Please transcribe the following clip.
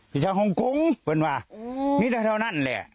พี่ชาวโฮงกรุงนี่แท้เท่านั้นแหละ